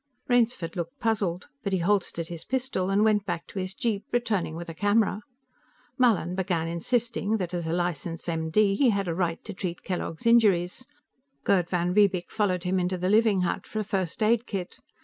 Rainsford looked puzzled, but he holstered his pistol and went back to his jeep, returning with a camera. Mallin began insisting that, as a licensed M.D., he had a right to treat Kellogg's injuries. Gerd van Riebeek followed him into the living hut for a first aid kit.